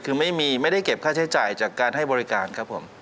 คือไม่ได้เก็บค่าใช้จ่ายจากการให้บริการครับผม